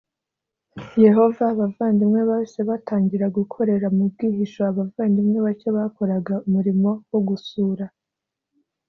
Yehova abavandimwe bahise batangira gukorera mu bwihisho abavandimwe bake bakoraga umurimo wo gusura